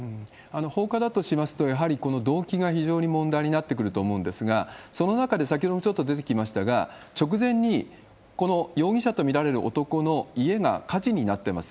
放火だとしますと、やはりこの動機が非常に問題になってくると思うんですが、その中でも先ほどもちょっと出てきましたが、直前に、この容疑者と見られる男の家が火事になってます。